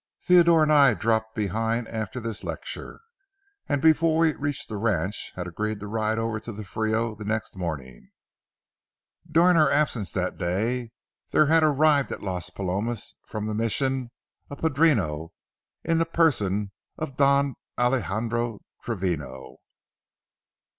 Theodore and I dropped behind after this lecture, and before we reached the ranch had agreed to ride over to the Frio the next morning. During our absence that day, there had arrived at Las Palomas from the Mission, a padrino in the person of Don Alejandro Travino.